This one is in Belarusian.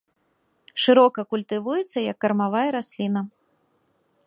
Шырока культывуецца як кармавая расліна.